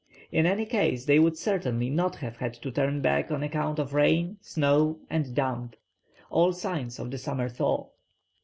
In any case they would certainly not have had to turn back on account of rain, snow, and damp, all signs of the summer thaw.